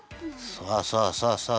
さあさあさあさあ